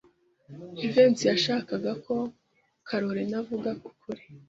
Jivency yashakaga ko Kalorina avuga ukuri.